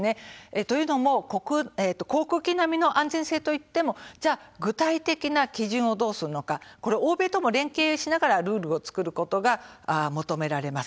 というのも航空機並みの安全性といっても具体的な基準をどうするのか欧米とも連携をしながらルールを作ることが求められます。